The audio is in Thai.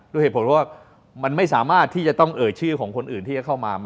ด้วยเหตุผลเพราะว่ามันไม่สามารถที่จะต้องเอ่ยชื่อของคนอื่นที่จะเข้ามา